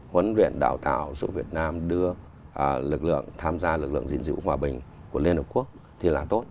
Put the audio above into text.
huấn luyện đào tạo giúp việt nam đưa lực lượng tham gia lực lượng gìn giữ hòa bình của liên hợp quốc thì là tốt